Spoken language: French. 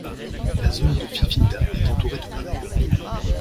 La zone de Fifinda est entourée de marais.